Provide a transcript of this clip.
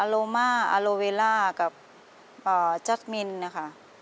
อารโลมาอารโลเวลากับจ๊อตมินนะค่ะ